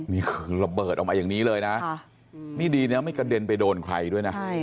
นี่คือระเบิดออกมาอย่างนี้เลยนะนี่ดีนะไม่กระเด็นไปโดนใครด้วยนะ